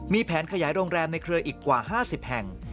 มีแผนขยายโรงแรมในเครืออีกกว่า๕๐แห่ง